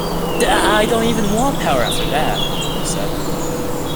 "I don't even want power after that," he said.